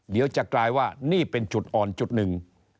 เดี๋ยวจะกลายว่านี่เป็นจุดอ่อนจุดหนึ่ง